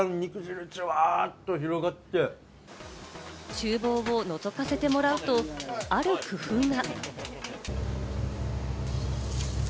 厨房をのぞかせてもらうと、ある工夫が。